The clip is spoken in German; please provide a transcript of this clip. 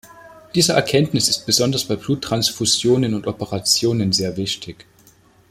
Diese Erkenntnis ist besonders bei Bluttransfusionen und Operationen sehr wichtig.